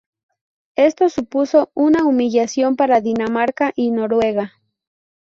Esto supuso una humillación para Dinamarca y Noruega.